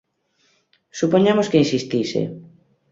Supoñamos que insistise.